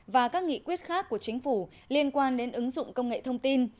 và các nghị quyết khác của chính phủ liên quan đến ứng dụng công nghệ thông tin